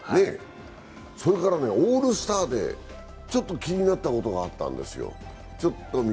それから、オールスターでちょっと気になったことがあったんですよ。